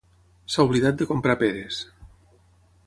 S'ha oblidat de comprar peres.